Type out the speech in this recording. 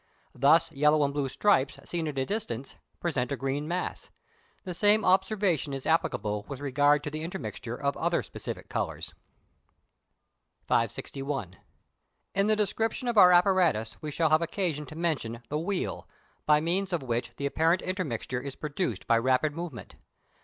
Thus yellow and blue stripes seen at a distance, present a green mass; the same observation is applicable with regard to the intermixture of other specific colours. 561. In the description of our apparatus we shall have occasion to mention the wheel by means of which the apparent intermixture is produced by rapid movement.